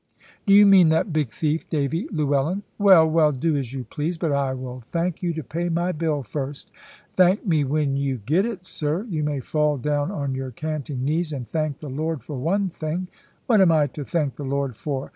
"Do you mean that big thief, Davy Llewellyn? Well, well, do as you please. But I will thank you to pay my bill first." "Thank me when you get it, sir. You may fall down on your canting knees, and thank the Lord for one thing." "What am I to thank the Lord for?